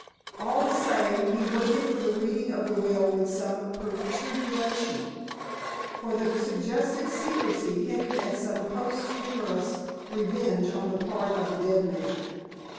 All the same, he waited for the reading of the will with some perturbation, for the suggested secrecy hinted at some posthumous revenge on the part of the dead man.